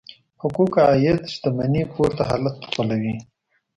حقوق عاید شتمنۍ پورته حالت خپلوي.